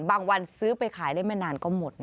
วันซื้อไปขายได้ไม่นานก็หมดนะ